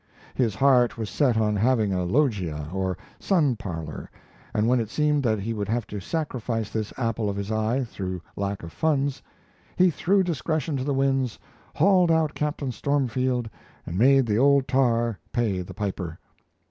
His heart was set on having a loggia or sun parlour; and when it seemed that he would have to sacrifice this apple of his eye through lack of funds, he threw discretion to the winds, hauled out Captain Stormfield and made the old tar pay the piper.